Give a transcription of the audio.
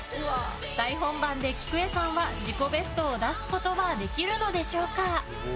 大本番で、きくえさんは自己ベストを出すことはできるのでしょうか。